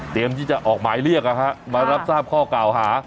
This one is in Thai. เตรียมที่จะออกหมายเรียกนะครับมารับทราบข้อเก่าหา